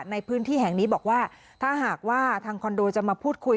ในพื้นที่แห่งนี้บอกว่าถ้าหากว่าทางคอนโดจะมาพูดคุย